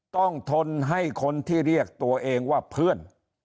ทนให้คนที่เรียกตัวเองว่าเพื่อน